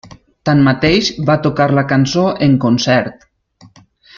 Tanmateix, va tocar la cançó en concert.